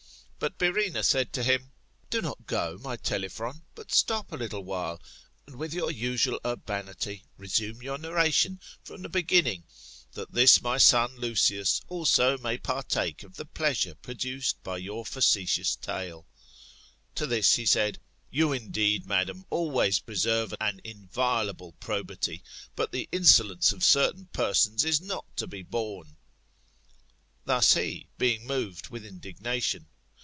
] But Byrrhaena said to him. Do not go, my Telephron, but stop a little while, and, with your usual urbanity, resume your narration from the beginning, that this my son Lucius also may partake of the pleasure produced by your facetious tale. To this, he said, You, indeed, madam, always preserve an inviolable probity; but the insolence of certain persons is not to be borne. Thus he, being moved with indignation.